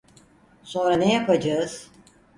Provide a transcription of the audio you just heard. Sonra ne yapacağız?